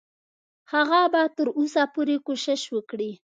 هغه به تر اوسه پورې کوشش وکړي.